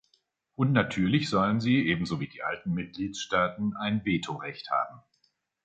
Und natürlich sollen sie ebenso wie die alten Mitgliedstaaten ein Vetorecht haben.